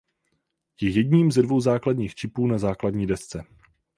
Je jedním ze dvou základních čipů na základní desce.